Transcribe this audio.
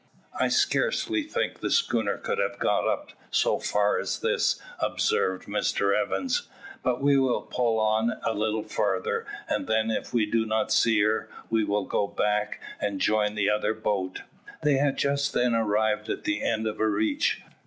"I scarcely think the schooner could have got up so far as this," observed Mr Evans. "But we will pull on a little farther, and then if we do not see her, we will go back, and join the other boat." They had just then arrived at the end of a reach.